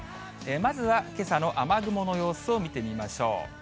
まずはけさの雨雲の様子を見てみましょう。